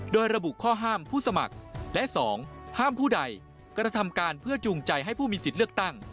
โดยระบุข้อห้ามผู้สมัครและ๒ห้ามผู้ใดกระทำการเพื่อจูงใจให้ผู้มีสิทธิ์เลือกตั้ง